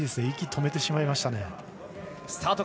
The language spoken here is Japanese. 息を止めてしまいましたね。